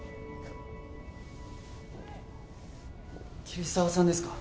桐沢さんですか？